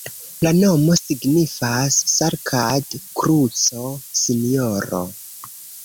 La nomo signifas Sarkad-kruco-Sinjoro.